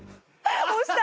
押した！